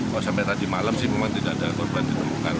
kalau sampai tadi malam sih memang tidak ada korban ditemukan